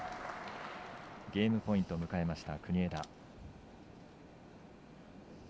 ゲームポイントを迎えました。